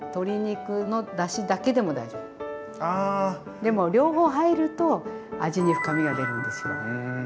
でも両方入ると味に深みが出るんですよねえ。